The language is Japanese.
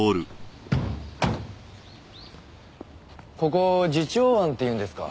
ここ慈朝庵って言うんですか。